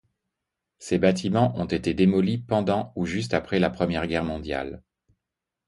Ces bâtiments ont été démolis pendant ou juste après la Première Guerre mondiale.